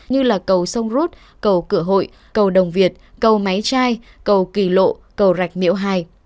như là cầu sông rút cầu cửa hội cầu đồng việt cầu máy trai cầu kỳ lộ cầu rạch miễu hai